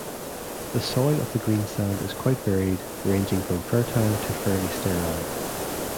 The soil of the greensand is quite varied, ranging from fertile to fairly sterile.